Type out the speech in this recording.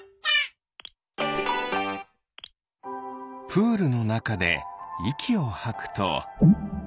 プールのなかでいきをはくと？